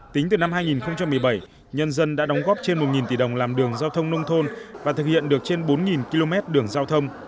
tính từ năm hai nghìn một mươi bảy nhân dân đã đóng góp trên một tỷ đồng làm đường giao thông nông thôn và thực hiện được trên bốn km đường giao thông